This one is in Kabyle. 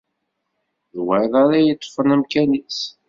D wayeḍ ara yeṭṭfen amkan-is.